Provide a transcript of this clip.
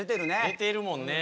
・出てるもんね。